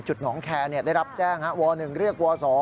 หนองแคร์ได้รับแจ้งว๑เรียกว๒